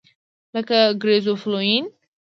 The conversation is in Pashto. لکه ګریزوفولوین.